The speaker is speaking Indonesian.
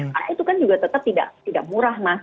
karena itu kan juga tetap tidak murah mas